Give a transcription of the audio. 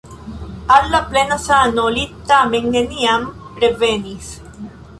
Al la plena sano li tamen neniam revenis.